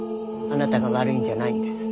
あなたが悪いんじゃないんです。